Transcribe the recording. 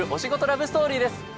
ラブストーリーです！